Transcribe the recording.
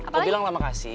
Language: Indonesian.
mau bilang lah makasih